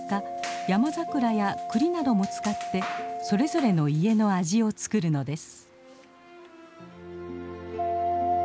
ヤマザクラやクリなども使ってそれぞれの家の味を作るのです。